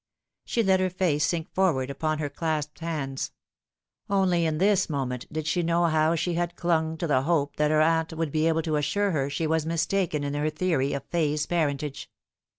She let her face sink forward upon her clasped hands. Only in this moment did she know how she had clung to the hope that her aunt would be able to assure her she was mistaken in her theory of Fay's parentage.